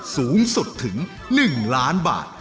สูงสุดถึง๑ล้านบาท